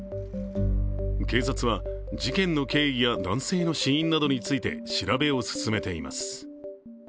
警察は、事件の経緯や男性の死因などについて調べを進めています。